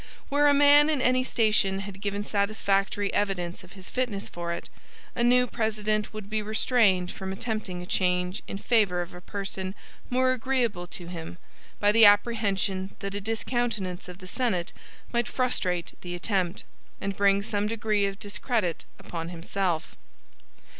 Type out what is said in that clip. Where a man in any station had given satisfactory evidence of his fitness for it, a new President would be restrained from attempting a change in favor of a person more agreeable to him, by the apprehension that a discountenance of the Senate might frustrate the attempt, and bring some degree of discredit upon himself.